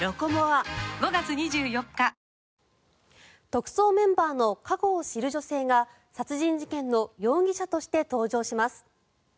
特捜メンバーの過去を知る女性が殺人事件の容疑者として登場します。